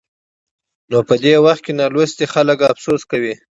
نو په دې وخت کې نالوستي خلک افسوس کوي.